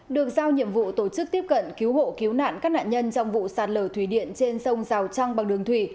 được giao nhiệm vụ tổ chức tiếp cận cứu hộ cứu nạn các nạn nhân trong vụ sạt lở thủy điện trên sông rào trăng bằng đường thủy